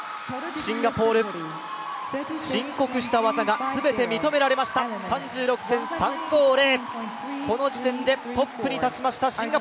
シンガポール、申告した技が全て認められました。３６．３５０。